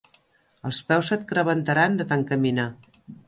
Els peus se't crebantaran de tant caminar.